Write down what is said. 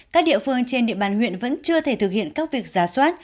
các địa phương trên địa bàn huyện vẫn chưa thể thực hiện các việc giá soát